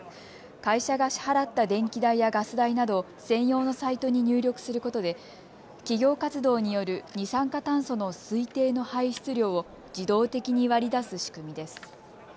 会社が支払った電気代やガス代などを専用のサイトに入力することで企業活動による二酸化炭素の推定の排出量を自動的に割り出す仕組みです。